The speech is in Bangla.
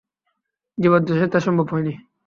জীবদ্দশায় তা সম্ভব হয়নি।